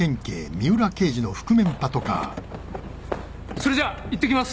それじゃいってきます。